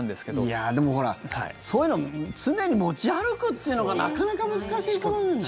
いや、でもそういうの常に持ち歩くっていうのがなかなか難しいことじゃない。